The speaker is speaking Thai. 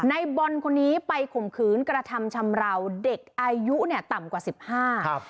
ในบอลคนนี้ไปข่มขืนกระทำชำราวเด็กอายุเนี่ยต่ำกว่าสิบห้าครับ